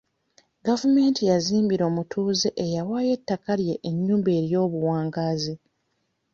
Gavumenti yazimbira omutuuze eyawaayo ettaka lye enyumba ey'obuwangaazi .